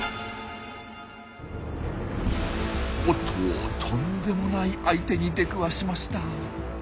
おっととんでもない相手に出くわしました。